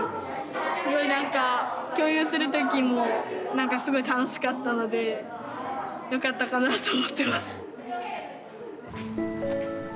すごいなんか共有する時もすごい楽しかったのでよかったかなと思ってます。